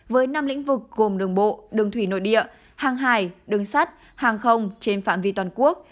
với năm lĩnh vực gồm đường bộ đường thủy nội địa hàng hải đường sắt hàng không trên phạm vi toàn quốc